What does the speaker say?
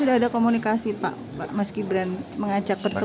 sudah ada komunikasi pak mas gibran mengajak bertemu